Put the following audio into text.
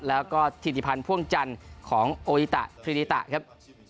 แล้วก็ถิติพันธ์พ่วงจันทร์ของโออิตะครินิตะครับ